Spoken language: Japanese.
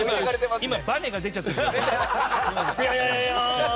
今、バネが出ちゃってる状態です。